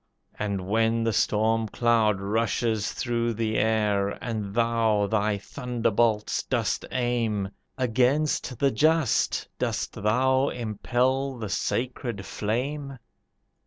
And when the storm cloud rushes through the air, And thou thy thunderbolts dost aim, Against the just dost thou impel the sacred flame?